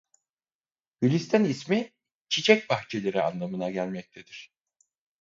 Gülistan ismi "çiçek bahçeleri" anlamına gelmektedir.